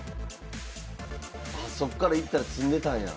ああそっからいったら詰んでたんや。